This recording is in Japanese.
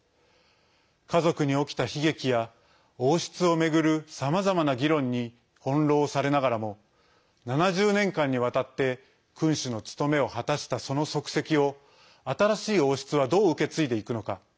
家族に起きた悲劇や王室を巡るさまざまな議論に翻弄されながらも７０年間にわたって君主の務めを果たしたその足跡を新しい王室はどう受け継いでいくのか。